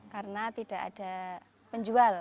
karena tidak ada penjual